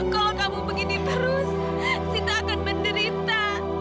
kalau kamu begini terus kita akan menderita